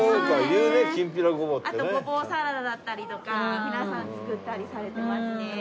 あとごぼうサラダだったりとか皆さん作ったりされてますね。